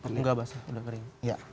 tidak basah sudah kering